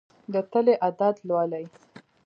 د تلې عدد لولي.